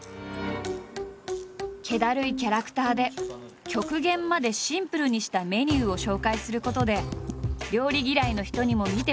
けだるいキャラクターで極限までシンプルにしたメニューを紹介することで料理嫌いの人にも見てもらうのがねらいだ。